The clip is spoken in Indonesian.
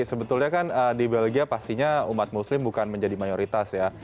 sebetulnya kan di belgia pastinya umat muslim bukan menjadi mayoritas ya